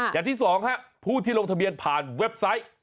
อย่างที่สองฮะผู้ที่ลงทะเบียนผ่านเว็บไซต์